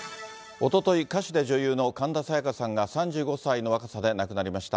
おととい、歌手で女優の神田沙也加さんが３５歳の若さで亡くなりました。